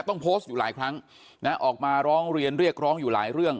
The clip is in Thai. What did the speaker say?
ต้องโพสต์อยู่หลายครั้งนะออกมาร้องเรียนเรียกร้องอยู่หลายเรื่อง